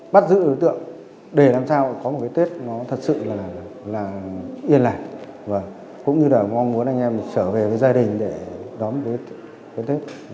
bắt giữ đối tượng để làm sao có một cái tết nó thật sự là yên lạc và cũng như là mong muốn anh em trở về với gia đình để đón cái tết